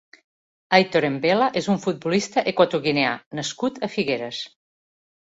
Aitor Embela és un futbolista equatoguineà nascut a Figueres.